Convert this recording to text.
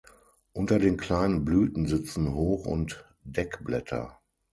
Unter den kleinen Blüten sitzen Hoch- und Deckblätter.